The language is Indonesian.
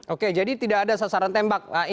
oke jadi tidak ada sasaran tembak